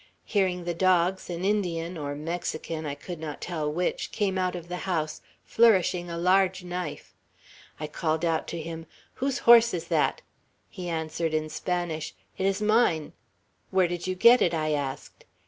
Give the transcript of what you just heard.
Hearing the dogs, an Indian, or Mexican, I could not tell which, came out of the house, flourishing a large knife. I called out to him, 'Whose horse is that?' He answered in Spanish, 'It is mine.' 'Where did you get it?' I asked.